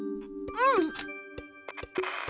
うん！